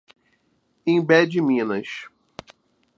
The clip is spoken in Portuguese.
Imbé de Minas